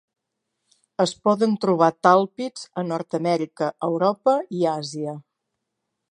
Es poden trobar tàlpids a Nord-amèrica, Europa i Àsia.